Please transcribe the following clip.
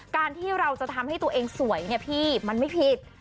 การที่เราจะทำให้ตัวเองสวยเนี่ยพี่มันไม่ผิด